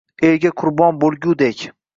Elga qurbon bo’lgudek.